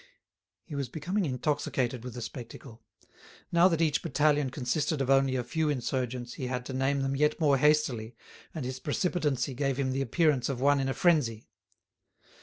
He was becoming intoxicated with the spectacle. Now that each battalion consisted of only a few insurgents he had to name them yet more hastily, and his precipitancy gave him the appearance of one in a frenzy.